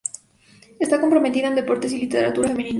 Está comprometida en deportes y literatura femenina.